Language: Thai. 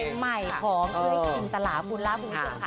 เพลงใหม่ของเอ้ยจินตลาภูราภูมิสุขค่ะ